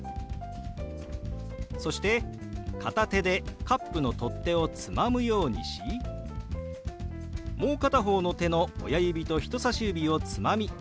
そして片手でカップの取っ手をつまむようにしもう片方の手の親指と人さし指をつまみかき混ぜるように動かします。